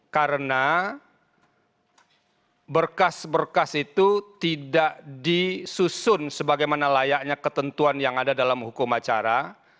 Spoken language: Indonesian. karena berkas berkas itu tidak disusun sebagaimana layaknya ketentuan yang ada dalam hukum acara